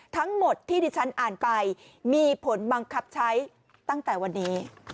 ทั้งหมดที่ที่ฉันอ่านไปมีผลบังคับใช้ตั้งแต่วันนี้